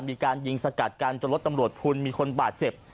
มีการยิงสกัดกันจนรถตำรวจพุนมีคนบาดเจ็บ